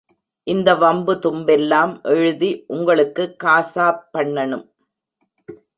இந்த வம்பு தும்பெல்லாம் எழுதி உங்களுக்கு காசாப் பண்ணனும்.